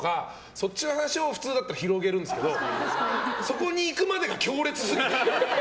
そっちの話を普通は広げるんですけどそこに行くまでが強烈過ぎて。